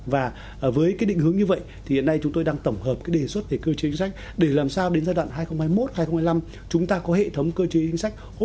và với cái định hướng như vậy thì hiện nay chúng tôi đang tổng hợp cái đề xuất về cơ chế chính sách để làm sao đến giai đoạn hai nghìn hai mươi một hai nghìn hai mươi năm chúng ta có hệ thống cơ chế chính sách hỗ trợ